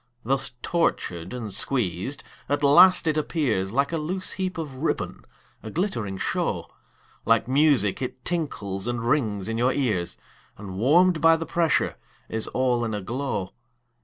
Thus tortured and squeezed, at last it appears Like a loose heap of ribbon, a glittering show, Like music it tinkles and rings in your ears, And warm'd by the pressure is all in a glow.